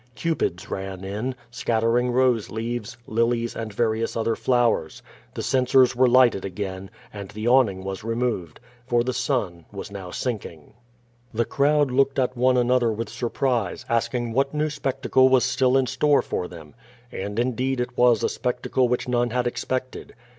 Cupids ran in, scattering rose leaves, lilies, and various other flowers. The censers were lighted again, and the awning was removed. For the sun was now sinking. The crowd looked at one another with surprise, asking what new spectacle was still in store for them. And indeed it was a spectacle which none had expected.